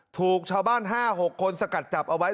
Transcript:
ถูกชาวบ้าน๕๖คนสกัดจับเอาไว้